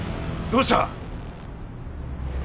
どうした？